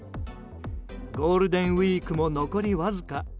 ゴールデンウィークも残りわずか。